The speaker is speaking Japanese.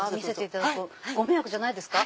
ご迷惑じゃないですか？